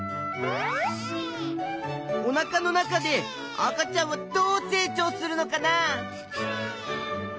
おなかの中で赤ちゃんはどう成長するのかな？